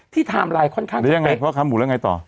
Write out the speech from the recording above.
ไทม์ไลน์ค่อนข้างหรือยังไงพ่อค้าหมูแล้วไงต่อ